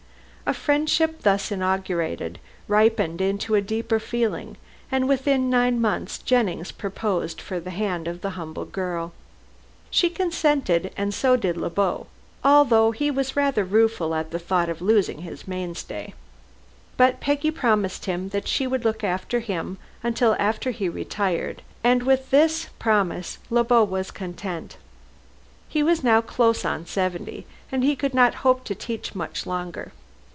A friendship thus inaugurated ripened into a deeper feeling, and within nine months Jennings proposed for the hand of the humble girl. She consented and so did Le Beau, although he was rather rueful at the thought of losing his mainstay. But Peggy promised him that she would still look after him until he retired, and with this promise Le Beau was content. He was now close on seventy, and could not hope to teach much longer.